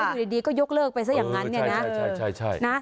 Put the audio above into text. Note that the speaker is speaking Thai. อยู่ดีก็ยกเลิกไปซะอย่างนั้นเนี่ยนะ